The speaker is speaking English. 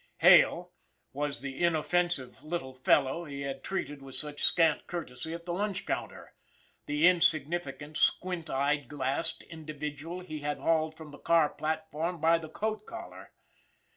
Hale was the inoffensive little fellow he had treated with such scant courtesy at the lunch counter, the insignificant, squint eye glassed individual he had hauled from the car platform by the coat collar!